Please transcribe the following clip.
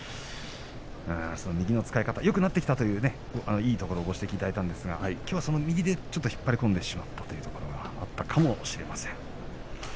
右の使い方がよくなってきたという王鵬のいいところをご指摘いただいたんですがきょうはその右で引っ張り込んでしまったというところもあったかもしれません。